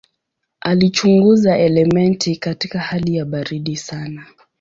Alichunguza elementi katika hali ya baridi sana.